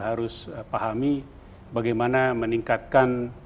harus pahami bagaimana meningkatkan